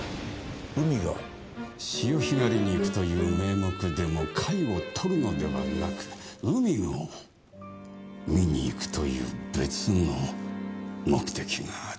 潮干狩りに行くという名目でも貝を採るのではなく海を見に行くという別の目的があった。